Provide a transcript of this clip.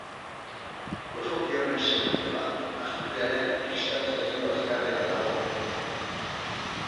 Gozoki honen sekretua, azukrearen kristalizazio azkarrean dago.